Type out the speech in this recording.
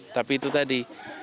tapi itu tadi